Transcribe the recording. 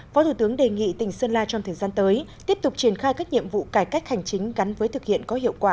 phó thủ tướng đề nghị tỉnh sơn la trong thời gian tới tiếp tục triển khai các nhiệm vụ cải cách hành chính gắn với thực hiện có hiệu quả